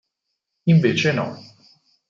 Invece no